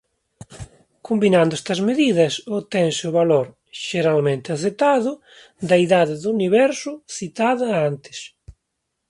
Combinando estas medidas obtense o valor xeralmente aceptado da idade do Universo citada antes.